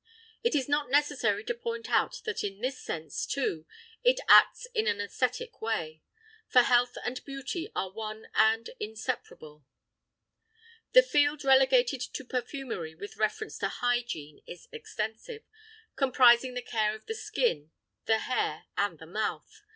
It is not necessary to point out that in this sense, too, it acts in an æsthetic way; for health and beauty are one and inseparable. The field relegated to perfumery with reference to hygiene is extensive, comprising the care of the skin, the hair, and the mouth.